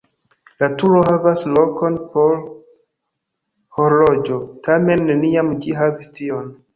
La turo havas lokon por horloĝo, tamen neniam ĝi havis tion.